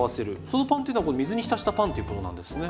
そのパンっていうのはこの水に浸したパンっていうことなんですね。